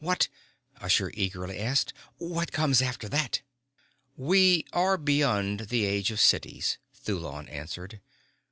What " Usher eagerly asked. "What comes after that?" "We are beyond the age of cities," Thulon answered.